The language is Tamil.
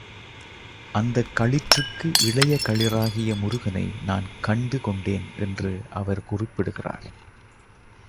அந்தக் களிற்றுக்கு இளைய களிறாகிய முருகனை நான் கண்டு கொண்டேன் என்று அவர் குறிப்பிடுகிறார்.